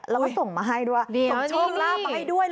แล้วก็ส่งมาให้ด้วยส่งโชคลาภมาให้ด้วย